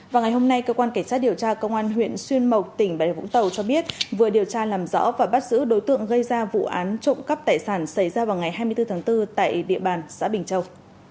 vào ngày hôm nay cơ quan cảnh sát điều tra công an huyện xuyên mộc tỉnh bà điều vũng tàu cho biết vừa điều tra làm rõ và bắt giữ đối tượng gây ra vụ án trộm cắp tài sản xảy ra vào ngày hai mươi bốn tháng bốn tại địa bàn xã bình châu